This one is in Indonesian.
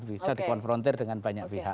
bisa di konfrontir dengan banyak pihak